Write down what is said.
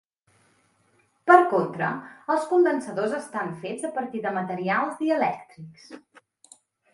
Per contra, els condensadors estan fets a partir de materials dielèctrics.